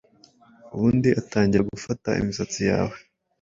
ubundi agatangira gufata imisatsi yawe